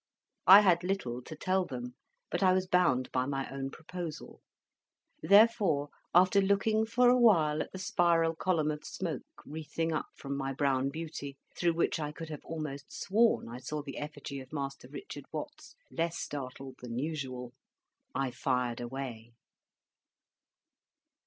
I had little to tell them, but I was bound by my own proposal. Therefore, after looking for awhile at the spiral column of smoke wreathing up from my brown beauty, through which I could have almost sworn I saw the effigy of Master Richard Watts less startled than usual, I fired away.